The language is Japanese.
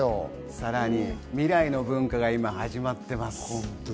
さらに未来の文化が今、始まってます。